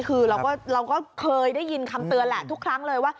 คือเราก็เคยได้ยินคำเตือนแหละทุกครั้งเลยว่า